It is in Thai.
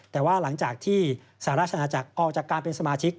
แต่ว่าหลังจากที่สหราชนาจักรออกจากการเป็นสมาชิก